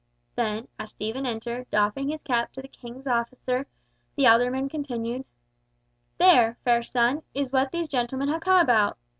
Then, as Stephen entered, doffing his cap to the King's officer, the alderman continued, "There, fair son, this is what these gentlemen have come about.